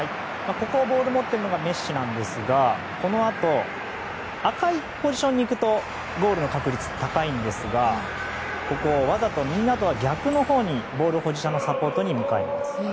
ここはボール持ってるのがメッシなんですが、このあと赤いポジションに行くとゴールの確立が高いんですがわざとみんなとは逆のほうにボール保持者のサポートに向かいます。